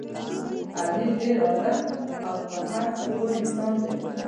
علي ډېر عالم او په هر څه پوه انسان دی.